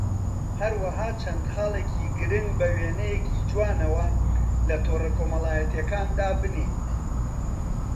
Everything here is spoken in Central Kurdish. هەروەها چەند خاڵێکی گرنگ بە وێنەیەکی جوانەوە لە تۆڕە کۆمەڵایەتییەکان دابنێیت